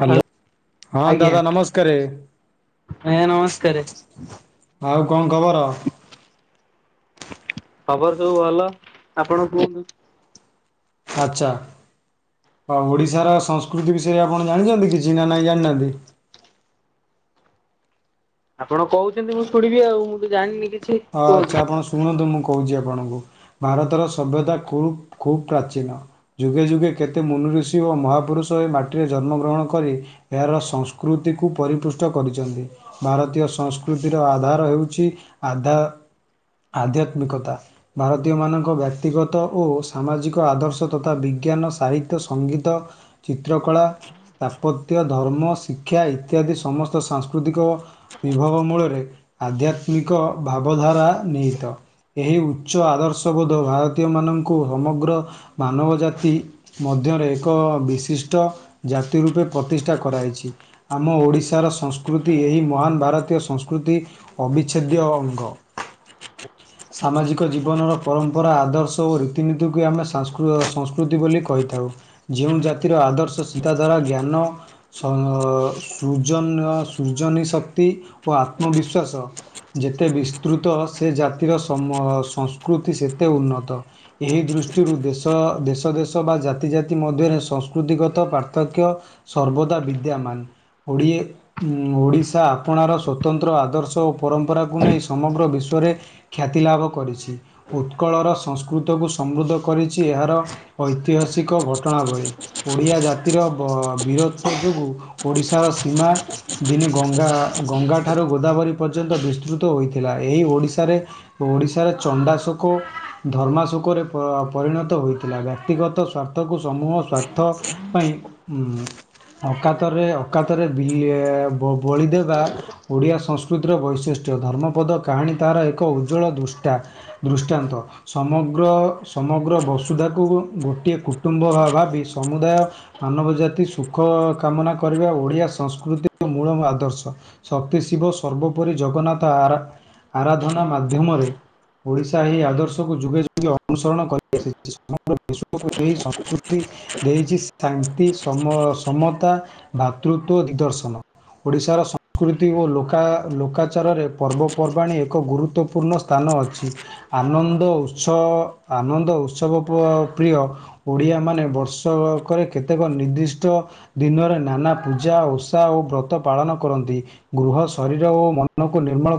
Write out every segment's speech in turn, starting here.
Hello, ହଁ ଆଜ୍ଞା ଦାଦା ନମସ୍କାରରେ। ଆଜ୍ଞା ନମସ୍କାରେ ଆଉ କଣ ଖବର? ଖବର ସବୁ ଭଲ, ଆପଣ କୁହନ୍ତୁ। ଆଚ୍ଛା, ଆ ଓଡ଼ିଶାର ସଂସ୍କୃତି ବିଷୟରେ ଆପଣ ଜାଣିଛନ୍ତି କିଛି ନା ନାହିଁ ଜାଣିନାହାନ୍ତି? ଆପଣ କହୁଛନ୍ତି ମୁଁ ଶୁଣିବି ଆଉ ମୁଁ ତ ଜାଣିନି କିଛି। ହଁ ଆଚ୍ଛା କୁହନ୍ତୁ। ଆପଣ ଶୁଣନ୍ତୁ ମୁଁ କହୁଚି ଆପଣଙ୍କୁ ଭାରତର ସଭ୍ୟତା ଖୁବ ଖୁବ ପ୍ରାଚୀନ। ଯୁଗେ ଯୁଗେ କେତେ ମନୁ ଋଷି ଓ ମହାପୁରୁଷ ଏ ମାଟିରେ ଜନ୍ମଗ୍ରହଣ କରି ଏହାର ସଂସ୍କୃତିକୁ ପରିପୃଷ୍ଟ କରିଚନ୍ତି। ଭାରତୀୟ ସଂସ୍କୃତିର ଆଧାର ହେଉଚି ଆଧା ଆଧ୍ୟାତ୍ମିକତା। ଭାରତୀୟମାନଙ୍କ ବ୍ୟକ୍ତିଗତ ଓ ସାମାଜିକ ଆଦର୍ଶ ତଥା ବିଜ୍ଞାନ ସାହିତ୍ୟ ସଙ୍ଗୀତ ଚିତ୍ରକଳା ସ୍ଥାପତ୍ୟ ଧର୍ମ ଶିକ୍ଷା ଇତ୍ୟାଦି ସମସ୍ତ ସାଂସ୍କୃତିକ। ବିଭବ ମୂଳରେ ଆଧ୍ୟାତ୍ମିକ ଭାବଧାରା ନିହିତ। ଏହି ଉଚ୍ଚ ଆଦର୍ଶବୋଧ ଭାରତୀୟମାନଙ୍କୁ ସମଗ୍ର ମାନବ ଜାତି। ମଧ୍ୟରେ ଏକ ବିଶିଷ୍ଟ ଜାତି ରୂପେ ପ୍ରତିଷ୍ଠା କରାହେଇଛି। ଆମ ଓଡ଼ିଶାର ସଂସ୍କୃତି ଏହି ମହାନ ଭାରତୀୟ ସଂସ୍କୃତି ଅବି ଛେଦିୟ ଅଙ୍ଗ। [inaudible] ସାମାଜିକ ଜୀବନର ପରମ୍ପରା ଆଦର୍ଶ ଓ ରୀତିନୀତିକୁ ଆମେ ସଂସ୍କୃ ସଂସ୍କୃତି ବୋଲି କହିଥାଉ। ଯେଉଁ ଜାତିର ଆଦର୍ଶ ଶିନ୍ତାଧାରା ଜ୍ଞାନ। ସ ସୃଜନ ସୃଜନୀ ଶକ୍ତି ଓ ଆତ୍ମବିଶ୍ଵାସ। ଯେତେ ବିସ୍ତୃତ ସେ ଜାତିର ସମ ସଂସ୍କୃତି ସେତେ ଉନ୍ନତ। ଏହି ଦୃଷ୍ଟିରୁ ଦେଶ ଦେଶ ଦେଶ ବା ଜାତି ଜାତି ମଧ୍ୟରେ ସଂସ୍କୃତିଗତ ପାର୍ଥକ୍ୟ। ସର୍ବଦା ବିଦ୍ୟମାନ୍। ଓଡ଼ିଏ ଉଁ ଓଡ଼ିଶା ଆପଣାର ସ୍ୱତନ୍ତ୍ର ଆଦର୍ଶ ଓ ପରମ୍ ମ୍ପରାକୁ ନେଇ ସମଗ୍ର ବିଶ୍ୱରେ ଖ୍ୟାତି ଲାଭ କରିଛି। ଉତ୍କଳର ସଂସ୍କୃତକୁ ସମୃଦ୍ଧ କରିଛି ଏହାର ଐତିହାସିକ ଘଟଣା ଭଳି। ଓଡିଆ ଜାତିର ବ ବୀରତଵ କୁ ଓଡିଶାର ସୀମା ଦିନେ ଗଙ୍ଗା ଗଙ୍ଗାଠାରୁ ଗୋଦାବରୀ ପର୍ଯ୍ୟନ୍ତ ବିସ୍ତୃତ ହୋଇଥିଲା ଏହି ଓଡ଼ିଶାରେ। ଓଡ଼ିଶାରେ ଚଣ୍ଡାଶୋକ ଧର୍ମାଶୋକରେ ପ ପରିଣତ ହୋଇଥିଲା ବ୍ୟକ୍ତିଗତ ସ୍ୱା ର୍ଥ କୁ ସମୂହ ସ୍ୱାର୍ଥ ପାଇଁ ଉଁ ଅକାତରେ ଅକାତରେ ବିଲେ ବ ବଳି ଦେବା। ଓଡ଼ିଆ ସଂସ୍କୃତିର ବୈଶିଷ୍ଟ୍ୟ ଧର୍ମପଦ କାହାଣୀ ତାହାର ଏକ ଉଜ୍ଜଳ ଦୃଷ୍ଟା। ଦୃଷ୍ଟାନ୍ତ। ସମଗ୍ର ସମଗ୍ର ବସୁଧାକୁ ଗୋଟିଏ କୁଟୁମ୍ବ ଭ ଭାବି ସମୁଦାୟ ମାନବ ଜାତି ସୁଖ କାମନା କରିବା ଓଡିଆ ସଂସ୍କୃତିର ମୂଳ ଆଦର୍ଶ। ଶକ୍ତି ଶିବ ସର୍ବୋପରି ଜଗନ୍ନାଥ ଆରା ଆରାଧନା ମାଧ୍ୟମରେ। ଓଡ଼ିଶା ଏହି ଆଦର୍ଶକୁ ଯୁଗେ ଯୁଗେ ଅନୁସରଣ କରିଆସିଚି [inaudible] ଏହି ସଂସ୍କୃତି ଦେଇଚି ଶାନ୍ତି ସମ ସମତା ଭାତୃତ୍ବ ଦିଗଦର୍ଶନ। ଓଡ଼ିଶାର ସଂସ୍କୃତି ଓ ଲୋକା ଲୋକାଚରରେ ପର୍ବପର୍ବାଣି ଏକ ଗୁରୁତ୍ୱପୂର୍ଣ୍ଣ ସ୍ଥାନ ଅଛି। ଆନନ୍ଦ ଉତ୍ସ ଆନନ୍ଦ ଉତ୍ସବ ପ ପ୍ରିୟ। ଓଡିଆ ମାନେ ବର୍ଷକରେ କେତେକ ନିର୍ଦ୍ଦିଷ୍ଟ। ଦିନରେ ନାନା ପୂଜା ଓଷା ଓ ବ୍ରତ ପାଳନ କରନ୍ତି ଗୃହ ଶରୀର ଓ ମନ ନିର୍ମ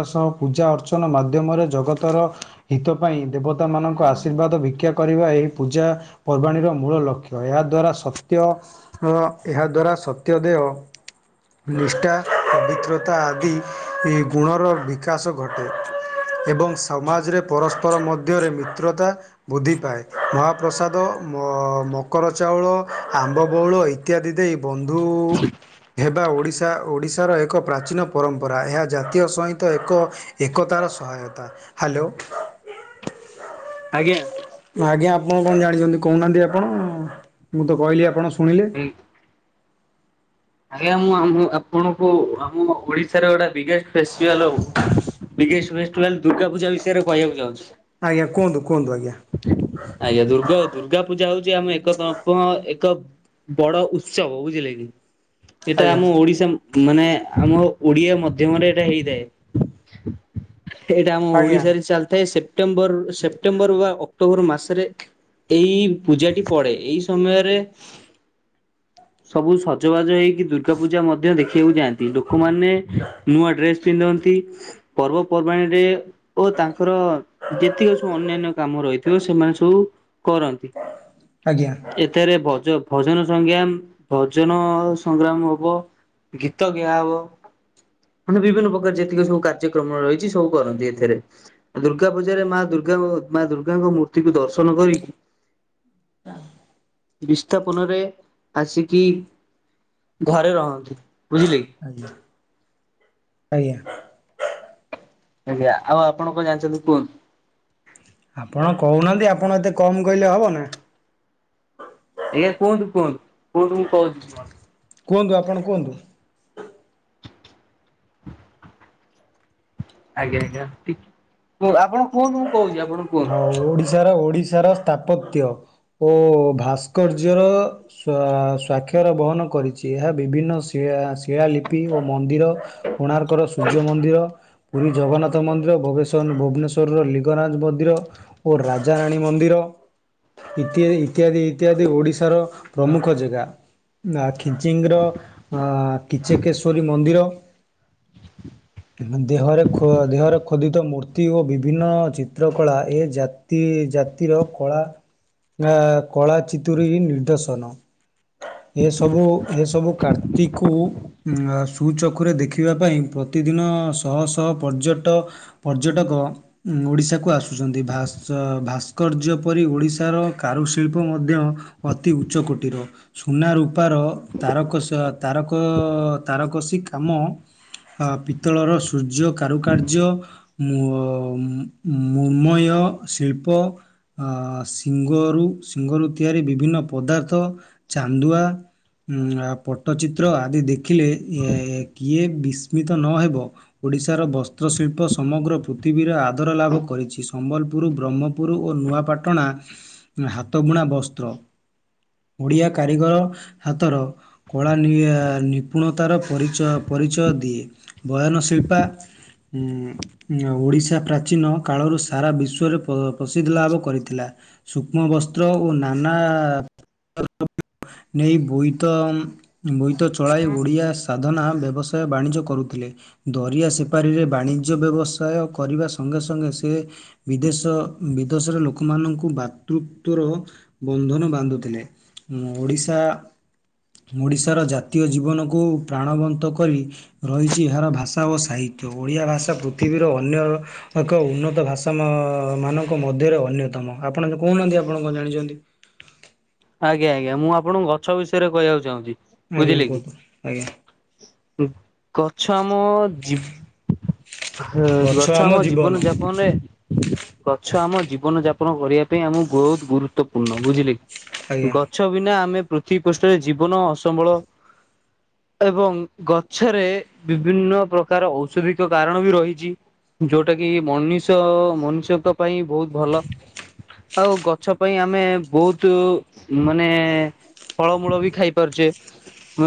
[inaudible] ସହ ପୂଜା ଅର୍ଚ୍ଚନା ମାଧ୍ୟମରେ ଜଗତର ହିତ ପାଇଁ ଦେବତା ମାନଙ୍କ ଆଶୀର୍ବାଦ ଭିକ୍ଷା କରିବା ଏହି ପୂଜା ପର୍ବାଣୀର ମୂଳ ଲକ୍ଷ୍ୟ ଏହା ଦ୍ଵାରା ସତ୍ୟ ହଁ ଏହା ଦ୍ଵାରା ସତ୍ୟ ଦେହ ନିଷ୍ଠା ପବିତ୍ରତା ଆଦି ଗୁଣର ବିକାଶ ଘଟେ। ଏବଂ ସମାଜରେ ପରସ୍ପର ମଧ୍ୟରେ ମିତ୍ରତା। ବୃଦ୍ଧି ପାଏ ମହାପ୍ରସାଦ ମକର ଚାଉଳ ଆମ୍ବ ବଉଳ ଇ ଇତ୍ୟାଦି ଦେଇ ବନ୍ଧୁ ହେବା ଓଡିଶା ଓଡ଼ିଶ ର ଏକ ପ୍ରାଚୀନ ପରମ୍ପରା ଏହା ଜାତୀୟ ସହିତ ଏକ ଏକତାର ସହାୟତା। ହାଲୋ। ଆଜ୍ଞା। ଆଜ୍ଞା ଆପଣ କଣ ଜାଣିଚନ୍ତି କହୁନାହାନ୍ତି ଆପଣ ମୁଁ ତ କହିଲି ଆପଣ ଶୁଣିଲେ। ହୁଁ। ଆଜ୍ଞା ମୁଁ ଆମ ଆପଣଙ୍କୁ ଆମ ଓଡିଶାର ଗୋଟେ ବିଗେଷ୍ଟ ଫେଷ୍ଟିଭାଲ ହଉ ବିଗେଷ୍ଟ ଫେଷ୍ଟିଭାଲ ଦୁର୍ଗା ପୂଜା ବିଷୟରେ କହିବାକୁ ଯାଉଚି। ଆଜ୍ଞା କୁହନ୍ତୁ କୁହନ୍ତୁ ଆଜ୍ଞା। ଆଜ୍ଞା ଦୁର୍ଗା ଦୁର୍ଗା ପୂଜା ହଉଚି ଆମ ଏକ [unintelligible] ଏକ ବଡ ଉତ୍ସବ। ବୁଝିଲେ କିି? ଏଇଟା ଆଜ୍ଞା ଆମ ଓଡିଶା ମାନେ ଆମ ଓଡିଆ ମଧ୍ୟମରେ ଏଇଟା ହେଇଥାଏ। ଏଇଟା ଆମ ଆଜ୍ଞା ଓଡିଶାରେ ଚାଲିଥାଏ ସେପ୍ଟେମ୍ବର ସେପ୍ଟେମ୍ବର ବା ଅକ୍ଟୋବର ମାସ ରେ ଏଇ ପୂଜାଟି ପଡେ। ଏଇ ସମୟରେ ସବୁ ସଜବାଜ ହେଇକି ଦୁର୍ଗା ପୂଜା ମଧ୍ୟ ଦେଖିବାକୁ ଯାଆନ୍ତି। ଲୋକମାନେ ନୂଆ ଡ୍ରେସ ପିନ୍ଧନ୍ତି। ପର୍ବପର୍ବାଣିରେ ଓ ତାଙ୍କର ଯେତିକି ସବୁ ଅନ୍ୟାନ୍ୟ କାମ ରହିଥିବ ସେମାନେ ସବୁ କରନ୍ତି। ଆଜ୍ଞା। ଏଥିରେ ଭଜ ଭଜନ ସଂଙ୍ଗିଆମ ଭଜନ ସଂଗ୍ରାମ ହବ। ଗୀତ ଗିଆହବ। ମାନେ ବିଭିନ୍ନ ପ୍ରକାର ଯେତିକି ସବୁ କାର୍ଯ୍ୟକ୍ରମ ରହିଚି ସବୁ କରନ୍ତି ଏଥିରେ। ଦୁର୍ଗା ପୂଜାରେ ମା ଦୁର୍ଗା ମା ଦୁର୍ଗାଙ୍କ ମୂର୍ତ୍ତିକୁୁ ଦର୍ଶନ କରିକି ବିସ୍ଥାପନରେ ଆସିକି ଘରେ ରହନ୍ତି ବୁଝିଲେ କି? ଆଜ୍ଞା। ଆଜ୍ଞା। ଆଜ୍ଞା ଆଉ ଆପଣ କଣ ଜାଣିଚନ୍ତି କୁହନ୍ତୁ। ଆପଣ କହୁନାହାନ୍ତି ଆପଣ ଏତେ କମ୍ କହିଲେ ହେବ ନା। ଆଜ୍ଞା କୁହନ୍ତୁ କୁହନ୍ତୁ। କୁହନ୍ତୁ ମୁଁ କହୁଛି କୁହନ୍ତୁ ଆପଣ କୁହନ୍ତୁ। [unintelligible] ଆଜ୍ଞା ଆଜ୍ଞା ଟି ଆପଣ କୁହନ୍ତୁ ମୁଁ କହୁଚି। ହଁ ଓଡିଶାର ଓଡିଶାର ସ୍ଥାପତ୍ୟ ଓ ଭାସ୍କର୍ଯ୍ୟ ର ସ୍ଵାକ୍ଷର ବହନ କରିଚି ଏହା ବିଭିନ୍ନି ଶିଳାଲିପି ଓ ମନ୍ଦିର କୋଣାର୍କର ସୂର୍ଯ୍ୟ ମନ୍ଦିର ପୁରୀ ଜଗନ୍ନାଥ ମନ୍ଦିର ଭବେଶ୍ୱର ଭୁବନେଶ୍ୱରର ଲିଙ୍ଗରାଜ ମ ନ୍ଦିର ଓ ରାଜାରାଣୀ ମନ୍ଦିର ଇତ୍ୟାଦି ଇତ୍ୟାଦି ଇତ୍ୟାଦି ଓଡିଶାର ପ୍ରମୁଖ ଜେଗା। ଆ ଖିଚିଙ୍ଗର ଅ କିଚକେଶ୍ୱରୀ ମନ୍ଦିର ଦେହରେ ଖୋ ଦେହରେ ଖୋଦିତ ମୂର୍ତ୍ତି ଓ ବିଭିନ୍ନ ଚି ଚିତ୍ରକଳା ଏ ଜାତି ଜାତିର କଳା ଗା କଳା ଚିତୁରି ନିର୍ଦେଶନ ଏସବୁ ଏସବୁ କାର୍ତ୍ତିକୁ ସୁଚଖୁରେ ଦେଖିବା ପାଇଁ ପ୍ରତିଦିନ ଶହ ଶହ ପର୍ଯ୍ୟଟ ପର୍ଯ୍ୟଟକ ଉ ଓଡିଶା କୁ ଆସୁଚନ୍ତି ଭାସ ଭାସ୍କର୍ଯ୍ୟ ପରି ଓଡ଼ିଶାର କାରୁଶିଳ୍ପ ମଧ୍ୟ ଅତି ଉଚ୍ଚ କୋଟିର। ସୁନା ରୂପାର ତାରକସ ତାରକ ତାରକସି କାମ ହ ପିତ୍ତଳର ସୂର୍ଯ୍ୟ କାରୁକାର୍ଯ୍ୟ ମୋ ଉଁ ମୂର୍ମୟ ଶିଳ୍ପ। ଅ ଶିଙ୍ଗରୁ ଶିଙ୍ଗରୁ ତିଆରି ବିଭିନ୍ନ ପଦାର୍ଥ ଚାନ୍ଦୁଆ। ଉଁ ଆ ପଟ୍ଟଚିତ୍ର ଆଦି ଦେଖିଲେ ଏ କିଏ ବିସ୍ମିତ ନହେବ? ଓଡ଼ିଶାର ବସ୍ତ୍ରଶିଳ୍ପ ସମଗ୍ର ପୃଥିବୀରେ ଆ ଦର ଲାଭ କରିଚି ସମ୍ବଲପୁରୁ ବ୍ରହ୍ମପୁରୁ ଓ ନୂଆପାଟଣା ହାତ ବୁଣା ବସ୍ତ୍ର ଓଡ଼ିଆ କାରିଗର ହାତର କଳା ନି ନିପୁଣତାର ପରିଚୟ ପରିଚୟ ଦିଏ ବୟନଶିଳ୍ପା ଉଁ ଏଁ ଓଡ଼ିଶା ପ୍ରା ଚୀନ କାଳରୁ ସାରା ବିଶ୍ୱରେ ପ ପ୍ରସିଦ୍ଧି ଲାଭ କରିଥିଲା। ସୂକ୍ଷ୍ମ ବସ୍ତ୍ର ଓ ନାନା [inaudible] [inaudible] ନେଇ ବୋଇତ ବୋଇତ ଚଳାଇ ଓଡ଼ିଆ ସା ଧନା ବ୍ୟବସାୟ ବାଣିଜ୍ୟ କରୁଥୁଲେ। ଦରିଆ ସେପାରିରେ ବାଣିଜ୍ୟ ବ୍ୟବସାୟ କରିବା ଅଙ୍ଗେ ସଙ୍ଗେ ସେ ବିଦେଶ ବିଦେଶରେ ଲୋକମାନଙ୍କୁ ବାତୃତ୍ଵର ବନ୍ଧନ ବାନ୍ଧୁଥିଲେ ଉଁ ଓଡ଼ିଶା ମୋଡ଼ିଶାର ଜାତୀୟ ଜୀବନକୁ ପ୍ରାଣବନ୍ତ କରି ରହିଚି ଏହାର ଭାଷା ଓ ସାହିତ୍ୟ ଓଡ଼ିଆ ଭାଷା ପୃଥିବୀର ଅନ୍ୟ ଏକ ଉନ୍ନତ ଭାଷା ମ ମାନଙ୍କ ମଧ୍ୟରେ ଅନ୍ୟତମ ଆପଣ ଯେ କହୁନାହାନ୍ତି ଆପଣ କଁ ଜାଣିଚନ୍ତି। ଆଜ୍ଞା ଆଜ୍ଞା ମୁଁ ଆପଣଙ୍କୁ ଗଛ ବିଷୟରେ କହିବାକୁ ଚାହୁଁଚି ‌ ଆଜ୍ଞା କୁହନ୍ତୁ ଆଜ୍ଞା। ଗଛ ଆମ ଜୀ ଏ ଗଛ ଆମ ଜୀବନ ଯାପନରେ ଗଛ ଆମ ଜୀବନ ଯାପନ କରିବା ପାଇଁ ଆମୁ ବୋହୁତ ଗୁରୁତ୍ୱପୂର୍ଣ୍ଣ, ବୁଝିଲେ? ଆଜ୍ଞା ଗଛ ବିନା ଆମେ ପୃଥିବୀ ପୃଷ୍ଠରେ ଜୀବନ ଅସମ୍ବଳ। ଏବଂ ଗଛରେ ବିଭିନ୍ନ ପ୍ରକାର ଔଷଧିକ କାରଣ ବି ରହିଚି। ଯୋଉଟା କି ମନିଷ ମନୁଷ୍ୟଙ୍କ ପାଇଁ ବୋହୁତ ଭଲ। ଆଉ ଗଛ ପାଇଁ ଆମେ ବୋହୁତୁ ମାନେ ଫଳମୂଳ ବି ଖାଇ ପାରୁଚେ। ମେ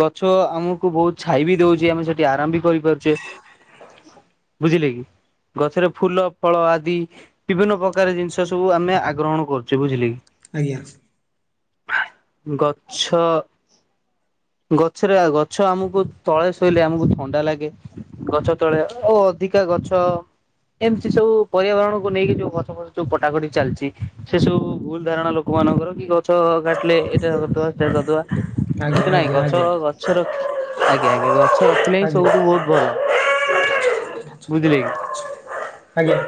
ଗଛ ଆମୁକୁ ବହୁତ ଛାଇ ବି ଦଉଚି ଆମେ ସେଠି ଆରାମ ବି କରି ପାରୁଚେ। ବୁଝିଲେ କି? ଗଛରେ ଫୁଲ ଫଳ ଆଦି ବିଭିନ୍ନ ପ୍ରକାର ଜିନିଷ ସବୁ ଆମେ ଆଗ୍ରହଣ କରୁଚେ, ବୁଝିଲେ କି? ଆଜ୍ଞା। ଗଛ ଗଛରେ ଆ ଗଛ ଆମୁକୁ ତଳେ ଶୋଇଲେ ଆମୁକୁ ଥଣ୍ଡା ଲାଗେ। ଗଛ ତଳେ ଓ ଅଧିକା ଗଛ ଏମତି ସବୁ ପର୍ୟାବରଣକୁ ନେଇକି ଯୋଉ ଗଛ ଫଚ ସବୁ କଟାକଟି ଚାଲିଚି ସେ ସବୁ ଭୁଲ ଧାରଣା ଲୋକମାନଙ୍କର। ଗଛ କାଟିଲେ ଏଟା କରିଦବା ସେ କରିଦବା ଆଜ୍ଞା କିନ୍ତୁ ନାଇଁ ଆଜ୍ଞା ଗଛ ଗ ଆଜ୍ଞା ଛର ଆଜ୍ଞା ଆଜ୍ଞା ଗଛ ରଖିଲେ ହିଁ ଆଜ୍ଞା ସବୁଠୁ ବୋହୁତ ଭଲ। ବୁଝିଲେ କି? ହାଜ୍ଞା।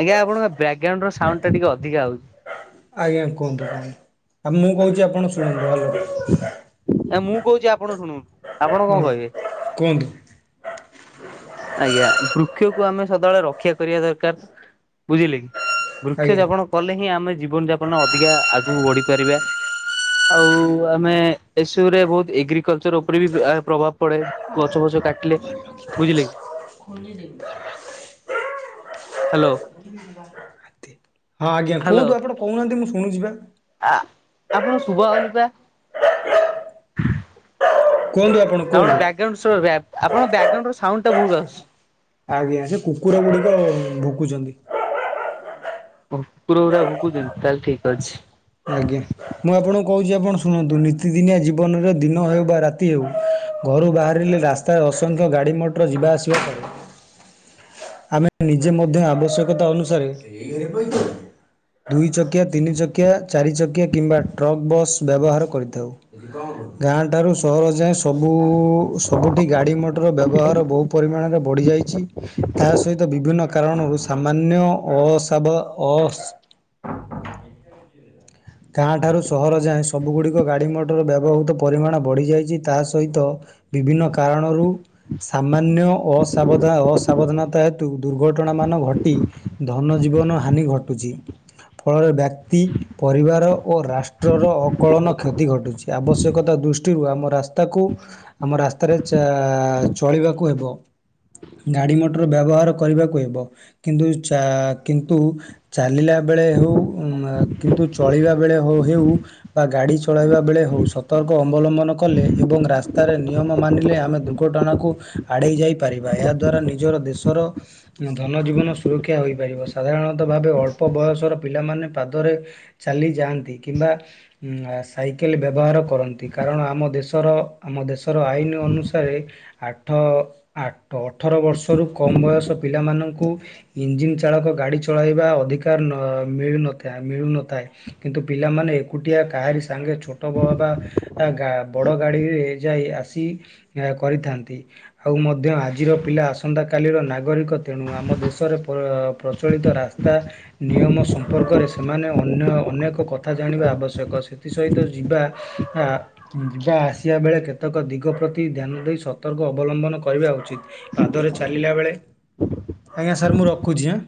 ଆଜ୍ଞା ଆପଣଙ୍କ ବ୍ୟାକଗ୍ରାଉଣ୍ଡ୍ ର ସାଉଣ୍ଡ୍ ଟା ଟିକେ ଅଧିକା ହଉଚି। ଆଜ୍ଞା କୁହନ୍ତୁ କୁହଁ ଆଉ ମୁଁ କହୁଚି ଆପଣ ଶୁଣନ୍ତୁ ଭଲରେ। ଏ ମୁଁ କହୁଛି ଆପଣ ଶୁଣନ୍ତୁ ଆପଣ କଣ ହଁ କହିବେ? କୁହନ୍ତୁ। ଆଜ୍ଞା ବୃକ୍ଷକୁ ଆମେ ସଦାବେଳେ ରକ୍ଷା କରିବା ଦରକାର ବୁଝିଲେ କି। ବୃକ୍ଷ ଆଜ୍ଞା ରୋପଣ କଲେ ହିଁ ଆମେ ଜୀବନ ଯାପନ ଅଧିକା ଆଗକୁ ବଢିପାରିବା। ଆଉ ଆମେ ଏସବୁରେ ବହୁତ ଏଗ୍ରିକଲଚର ଉପରେ ବି ଆର ପ୍ରଭାବ ପଡେ। ଗଛ ଫଛ କାଟିଲେ। ବୁଝିଲେ କି [unintelligible] ହ୍ୟାଲୋ ହଁ ଆଜ୍ଞା ହ୍ୟାଲୋ କୁହନ୍ତୁ ଆପଣ କହୁନାହାନ୍ତି ମୁଁ ଶୁଣୁଛି ବା ଆ ଆପଣଙ୍କ ଶୁଭାଯାଉନିପା [inaudible] କୁହନ୍ତୁ ଆପଣ ଆପଣଙ୍କ କୁହନ୍ତୁ ବ୍ୟାଗ୍ରାଉଣ୍ଡ ଆପଣ ବ୍ୟାଗ୍ରାଉଣ୍ଡ ର ସାଉଣ୍ଡ ଟା ବହୁତ ଆଶୁଛି। ଆଜ୍ଞା ସେ କୁକୁର ଗୁଡ଼ିକ ଭୁକୁଛନ୍ତି। କୁକୁର ଗୁରା ଭୁକୁୁଛନ୍ତି ତାହେଲେ ଠିକ ଅଛି। ଆଜ୍ଞା ମୁଁ ଆପଣଙ୍କୁ କହୁଛି ଆପଣ ଶୁଣନ୍ତୁ ନିୀତିଦିନିଆ ଜୀବନରେ ଦିନ ହେଉ ବା ରାତି ହେଉ। ଘରୁ ବାହାରିଲେ ରାସ୍ତାରେ ଅସଂଖ୍ୟ ଗାଡ଼ି ମଟର ଯିବା ଆସିବା। ଆମେ ନିଜେ ମଧ୍ୟ ଆବଶ୍ୟକତା ଅନୁସାରେ ଦୁଇ ଚକିଆ ତିନି ଚକିଆ ଚାରି ଚକିଆ କିମ୍ବା ଟ୍ରକ୍ ବସ୍। ବ୍ୟବହାର କରିଥାଉ ଗାଁ ଠାରୁ ସହର ଜାଏ ସବୁ ସବୁଠି ଗାଡ଼ି ମଟର ବ୍ୟବହାର ବହୁ ପରିମାଣରେ ବଢ଼ିଯାଇଛି। ତା ସହିତ ବି ବିଭିନ୍ନ କାରଣରୁ ସାମାନ୍ୟ ଅସାବ ଅ ଗାଁ ଠାରୁ ସହର ଯାଏଁ ସବୁଗୁଡ଼ିକ ଗାଡ଼ି ମଟର ବ୍ୟବହୃତ ପରିମାଣ ବଢ଼ିଯାଇଛି ତା ସହିତ ବିଭିନ୍ନ କାରଣରୁ ସାମାନ୍ୟ ଅସାବଧାନ ଅସାବଧାନତା ହେତୁ ଦୁର୍ଘଟଣାମାନ ଘଟି ଧନ ଜୀବନ ହାନି ଘଟୁଛି ଫଳରେ ବ୍ୟକ୍ତି ପରିବାର ଓ ରାଷ୍ଟ୍ରର ଅକଳନ କ୍ଷତି ଘଟୁଛି ଆବଶ୍ୟକତା ଦୃଷ୍ଟିରୁ ଆମ ରାସ୍ତାକୁ ଆମ ରାସ୍ତାରେ ଚଳିବାକୁ ହେବ ଗାଡ଼ି ମଟର ବ୍ୟବହାର କରିବାକୁ ହେବ। କିନ୍ତୁ ଚା କିନ୍ତୁ ଚାଲିଲା ବେଳେ ହଉ କିନ୍ତୁ ଚଳିବା ବେଳେ ହେଉ ବା ଗାଡି ଚଳେଇବା ବେଳେ ହଉ ସତର୍କ ଅବଲମ୍ବନ କଲେ ଏବଂ ରାସ୍ତାରେ ନିୟମ ମାନିଲେ ଆମେ ଘଟଣାକୁ ଆଡ଼େଇ ଯାଇପାରିବା ଏହା ଦ୍ୱାରା ନିଜର ଦେଶର ଧନଜୀବନ ସୁରକ୍ଷା ହୋଇପାରିବ ସାଧାରଣତଃ ଭାବେ ଅଳ୍ପ ବୟସର ପିଲାମାନେ ପାଦରେ ଚାଲିଯାଆନ୍ତି କିମ୍ବା ସାଇକେଲ ବ୍ୟବହାର କରନ୍ତି କାରଣ ଆମ ଦେଶର ଆମ ଦେଶର ଆଇନ ଅନୁସାରେ ଆଠ ଆଠ ତ ଅଠର ବର୍ଷରୁ କମ୍ ବୟସ ପିଲାମାନଙ୍କୁ ଇଞ୍ଜିିନ ଚାଳକ ଗାଡି ଚଳାଇବା ଅଧିକାର ମିଳନଥାଏ ମିଳୁନଥାଏ। କିନ୍ତୁ ପିଲାମାନେ ଏକୁଟିଆ କାହାରି ସାଙ୍ଗେ ଛୋଟ ବ ବା ବଡ଼ ଗାଡ଼ିରେ ଯାଇ ଆସି କରିଥାନ୍ତି ଆଉ ମଧ୍ୟ ଆଜିର ପିଲା ଆସନ୍ତାକାଲିର ନାଗରିକ ତେଣୁ ଆମ ଦେଶରେ ପ୍ରଚଳିତ ରାସ୍ତା ନିୟମ ସମ୍ପର୍କରେ ସେମାନେ ଅନ୍ୟ ଅନେକ କଥା ଜାଣିବା ଆବଶ୍ୟକ ସେଥିସହିତ ଯିବା ଆ ଯିବା ଆସିବା ବେଳେ କେତେକ ଦିଗ ପ୍ରତି ଧ୍ୟାନ ଦେଇ ସତର୍କ ଅବଲମ୍ବନ କରିବା ଉଚିତ୍। ପାଦରେ ଚାଲିଲା ବେଳେ ଆଜ୍ଞା ସାର୍ ମୁଁ ରଖୁଚି ଆଁ।